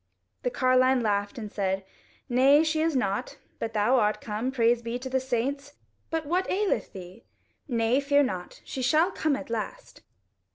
The carline laughed and said, "Nay, she is not, but thou art come: praise be to the saints! But what aileth thee? Nay, fear not, she shall come at last."